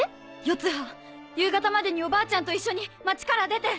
四葉夕方までにおばあちゃんと一緒に町から出て！